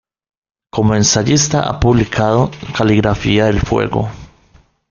Como ensayista ha publicado "Caligrafía del fuego.